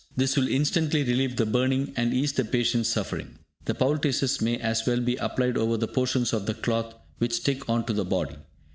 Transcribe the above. This will instantly relieve the burning, and ease the patient's suffering. The poultices may as well be applied over the portions of the cloth which stick on to the body.